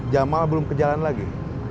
jamaah belum ke jalan lagi